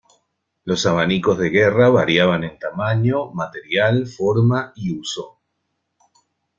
Los abanicos de guerra variaban en tamaño, material, forma y uso.